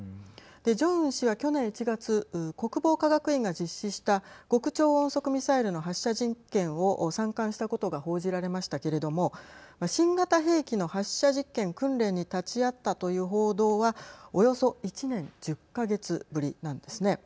ジョンウン氏は去年１月国防科学院が実施した極超音速ミサイルの発射実験を参観したことが報じられましたけれども新型兵器の発射実験・訓練に立ち会ったという報道はおよそ１年１０か月ぶりなんですね。